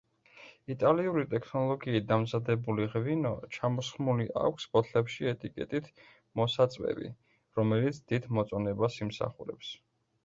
იტალიური ტექნოლოგიით დამზადებული ღვინო ჩამოსხმული აქვს ბოთლებში ეტიკეტით „მოსაწვევი“, რომელიც დიდ მოწონებას იმსახურებს.